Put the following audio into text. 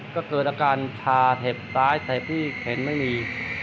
ก็เกิดอาการชาเห็บซ้ายแต่ที่เข็นไม่มี